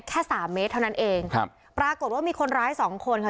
แค่สามเมตรเท่านั้นเองครับปรากฏว่ามีคนร้ายสองคนค่ะ